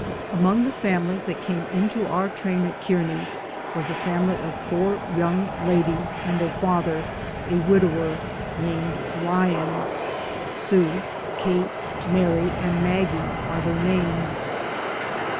Among the families that came into our train at Kearney was a family of four young ladies and their father — a widower — named Ryan. Sue, Kate, Mary and Maggie are their names.